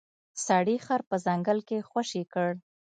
سړي خر په ځنګل کې خوشې کړ.